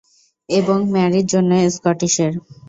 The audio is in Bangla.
এবং ম্যারির জন্য স্কটিশের।